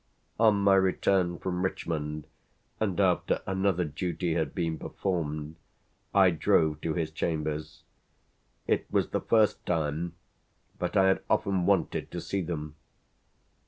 On my return from Richmond and after another duty had been performed I drove to his chambers. It was the first time, but I had often wanted to see them.